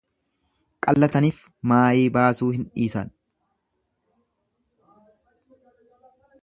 Qallatanif maayii baasuu hin dhiisan.